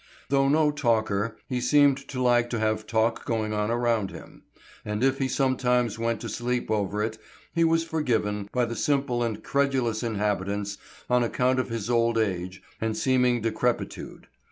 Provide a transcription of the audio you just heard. Though no talker, he seemed to like to have talk going on around him, and if he sometimes went to sleep over it, he was forgiven by the simple and credulous inhabitants on account of his old age and seeming decrepitude.